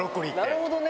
なるほどね。